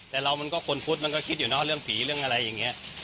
แต่เรามันก็คนพุทธมันก็คิดอยู่เนาะเรื่องผีเรื่องอะไรอย่างนี้